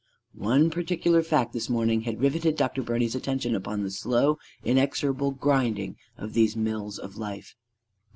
One particular fact this morning had riveted Dr. Birney's attention upon the slow inexorable grinding of these mills of life.